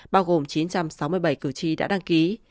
bao gồm chín trăm sáu mươi bảy cử tri đã đăng ký